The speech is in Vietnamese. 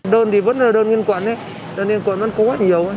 đơn thì vẫn là đơn liên quận đơn liên quận vẫn có quá nhiều